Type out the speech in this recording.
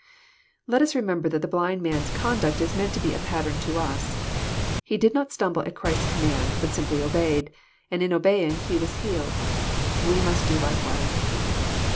Let ns remember that the blind man's conduct is meant to be a pattern to us. He did not stumble at Christ's command, but simply obeyed ; and in obeying he was healed. We must do likewise.